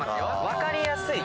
分かりやすい。